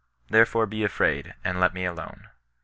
Therefore be afraid, and let me alone."